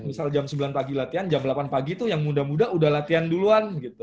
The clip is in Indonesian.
misal jam sembilan pagi latihan jam delapan pagi tuh yang muda muda udah latihan duluan gitu